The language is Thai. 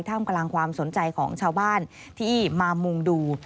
กำลังความสนใจของชาวบ้านที่มามุ่งดู